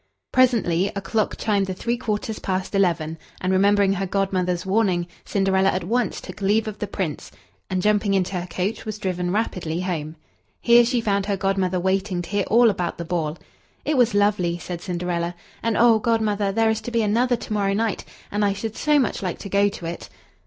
Presently a clock chimed the three quarters past eleven, and, remembering her Godmother's warning, Cinderella at once took leave of the Prince, and, jumping into her coach, was driven rapidly home. Here she found her Godmother waiting to hear all about the ball. "It was lovely," said Cinderella; "and oh! Godmother, there is to be another to morrow night, and I should so much like to go to it!"